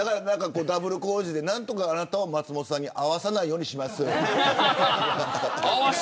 ダブルコウジで何とかあなたを松本さんに会わせないようにします。